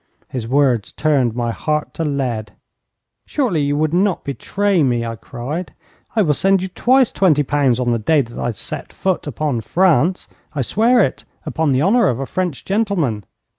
His words turned my heart to lead. 'Surely, you would not betray me!' I cried. 'I will send you twice twenty pounds on the day that I set foot upon France. I swear it upon the honour of a French gentleman.'